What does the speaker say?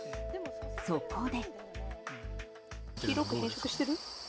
そこで。